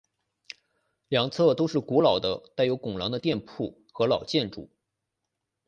两侧都是古老的带有拱廊的店铺和老建筑。